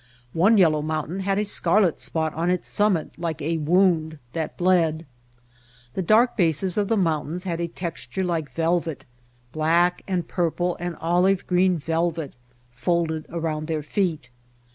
One yellow mountain had a scarlet spot on its summit like a wound that bled. The dark bases of the mountains had a texture like velvet, black and purple and olive green velvet, folded around their feet.